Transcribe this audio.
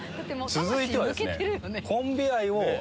続いてはですね。